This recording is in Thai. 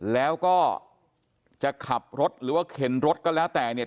แล้วก็จะขับรถหรือว่าเข็นรถก็แล้วแต่เนี่ย